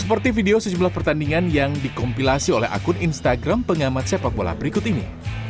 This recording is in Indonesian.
seperti video sejumlah pertandingan yang dikompilasi oleh akun instagram pengamat sepak bola berikut ini